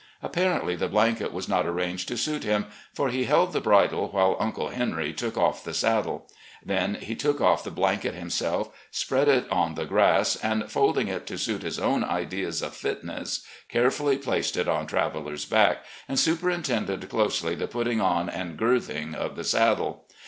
Apparently the blanket was not arranged to suit him, for he held the bridle while "Uncle Henry" took off the saddle. Then he took off the blanket himself, spread it out on the grass, and, folding it to suit his own ideas of fitness, carefully placed it on Traveller's back, and superintended closely the putting on and girthing of the saddle.